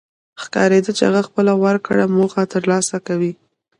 ښکارېده چې هغه خپله ورکړه موخه تر لاسه کوي.